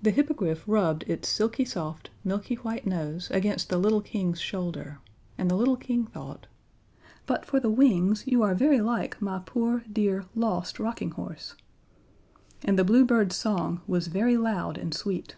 The Hippogriff rubbed its silky soft, milky white nose against the little King's shoulder, and the little King thought: "But for the wings you are very like my poor, dear lost Rocking Horse." And the Blue Bird's song was very loud and sweet.